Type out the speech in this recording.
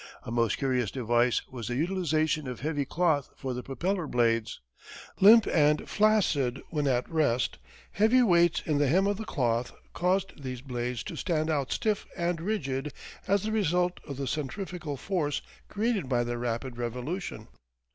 A most curious device was the utilization of heavy cloth for the propeller blades. Limp and flaccid when at rest, heavy weights in the hem of the cloth caused these blades to stand out stiff and rigid as the result of the centrifugal force created by their rapid revolution.